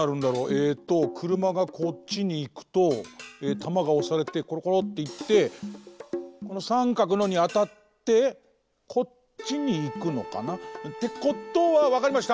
えっとくるまがこっちにいくとたまがおされてコロコロっていってこのさんかくのにあたってこっちにいくのかな？ってことはわかりました！